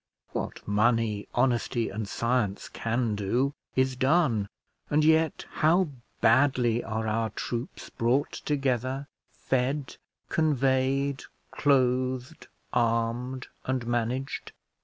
What money, honesty, and science can do, is done; and yet how badly are our troops brought together, fed, conveyed, clothed, armed, and managed.